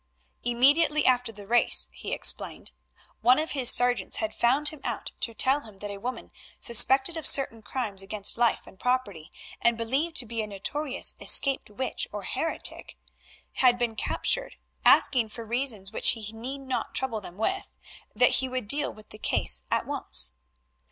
Immediately after the race, he explained, one of his sergeants had found him out to tell him that a woman, suspected of certain crimes against life and property and believed to be a notorious escaped witch or heretic, had been captured, asking for reasons which he need not trouble them with, that he would deal with the case at once.